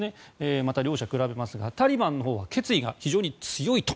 また両者を比べますがタリバンのほうが決意が非常に強いと。